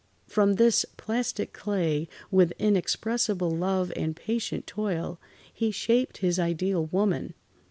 From this plastic clay, with inexpressible love and patient toil, he shaped his ideal woman.